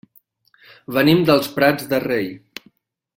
Venim dels Prats de Rei.